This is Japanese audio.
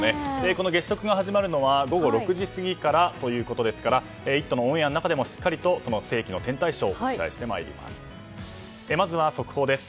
この月食が始まるのは午後６時過ぎからということですから「イット！」のオンエアの中でもしっかり世紀の天体ショーをお伝えしてまいります。